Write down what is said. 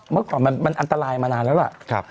พก่อนมันอันตรายมานานแล้ว